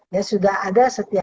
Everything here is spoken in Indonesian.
ya sudah ada setiap